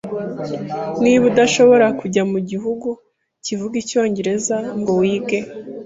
Niba udashobora kujya mu gihugu kivuga icyongereza ngo wige,